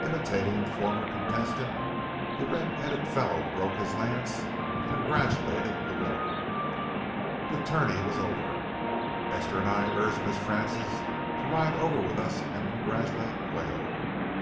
Imitating the former contestant, the red headed fellow broke his lance and congratulated the winner. The tourney was over. Esther and I urged Miss Frances to ride over with us and congratulate Quayle.